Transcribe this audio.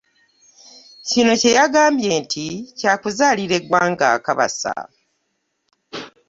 Kino kye yagambye nti kyakuzaalira eggwanga akabasa.